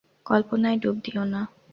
কল্পনায় ডুব দিও না।